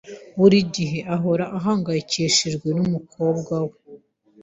Buri gihe ahora ahangayikishijwe numukobwa we .